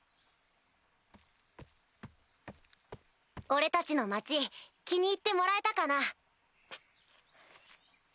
俺たちの町気に入ってもらえたかな？